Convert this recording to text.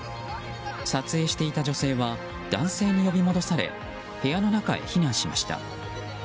撮影していた女性は男性に呼び戻され部屋の中へ避難しました。